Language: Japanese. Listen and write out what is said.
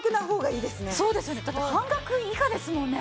そうですねだって半額以下ですもんね。